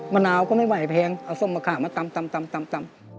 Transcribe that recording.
มะนาวก็ไม่ไหวแพงเอาส้มมะขามมาตำ